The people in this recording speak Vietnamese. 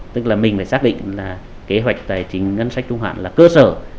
tức là mình phải xác định là kế hoạch tài chính ngân sách trung hạn là cơ sở